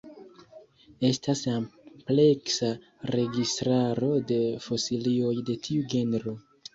Estas ampleksa registraro de fosilioj de tiu genro.